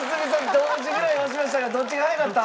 同時ぐらいに押しましたがどっちが早かった？